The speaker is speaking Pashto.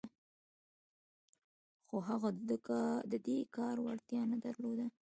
خو هغه د دې کار وړتیا نه درلوده